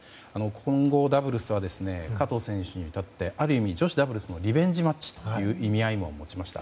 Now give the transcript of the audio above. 混合ダブルスは加藤選手にとってある意味、女子ダブルスのリベンジマッチという意味合いも持ちましたね。